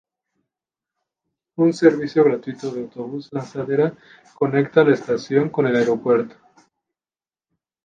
Un servicio gratuito de autobús lanzadera conecta la estación con el aeropuerto.